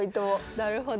なるほど。